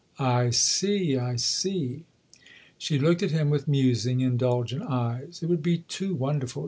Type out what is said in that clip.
" I see I see." She looked at him with musing, indulgent eyes. " It would be too wonderful.